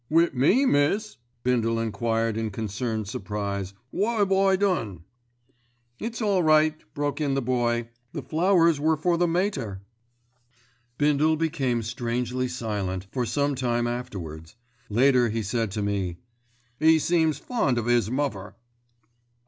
"Wi' me, miss?" Bindle enquired in concerned surprise. "Wot 'ave I done?" "It's all right," broke in the Boy. "The flowers were for the Mater." Bindle became strangely silent, for some time afterwards. Later he said to me— "'E seems fond of 'is mother."